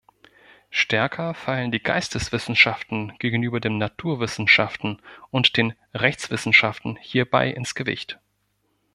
Stärker fallen die Geisteswissenschaften gegenüber den Naturwissenschaften und den Rechtswissenschaften hierbei ins Gewicht.